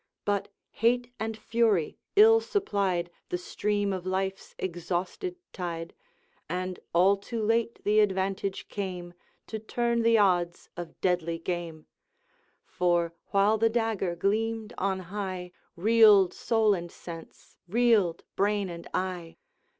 But hate and fury ill supplied The stream of life's exhausted tide, And all too late the advantage came, To turn the odds of deadly game; For, while the dagger gleamed on high, Reeled soul and sense, reeled brain and eye.